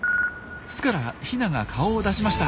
巣からヒナが顔を出しました。